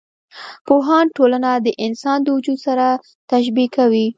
پوهان ټولنه د انسان د وجود سره تشبي کوي.